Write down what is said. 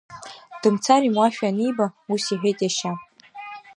Дымцар имуашәа аниба, ус иҳәеит иашьа…